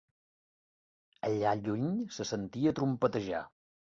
Allà lluny se sentia trompetejar.